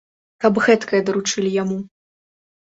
Каб гэткае даручылі яму!